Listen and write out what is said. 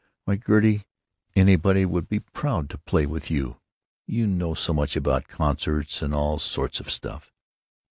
Why, Gertie, anybody would be proud to play with you. You know so much about concerts and all sorts of stuff.